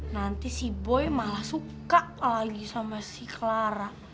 nanti si boy malah suka lagi sama si clara